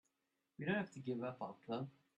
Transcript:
We don't have to give up our club.